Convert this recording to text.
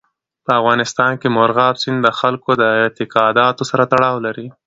په افغانستان کې مورغاب سیند د خلکو د اعتقاداتو سره تړاو لري.